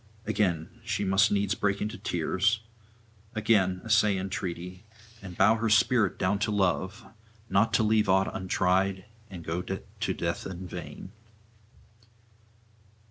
Again, she must needs break into tears, again essay entreaty, and bow her spirit down to love, not to leave aught untried and go to death in vain.